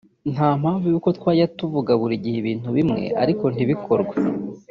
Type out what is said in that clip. nta mpamvu yo kujya tuvuga buri gihe ibintu bimwe ariko ntibikorwe